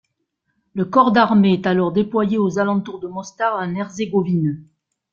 Le corps d'armée est alors déployé aux alentours de Mostar en Herzégovine.